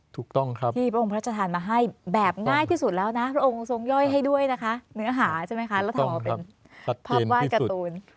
ถูกต้องครับที่พระองค์พระราชทานมาให้แบบง่ายที่สุดแล้วนะพระองค์ทรงย่อยให้ด้วยนะคะเนื้อหาใช่ไหมคะแล้วทำเอาเป็นภาพวาดการ์ตูน